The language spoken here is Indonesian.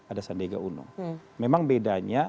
ada sandiaga uno memang bedanya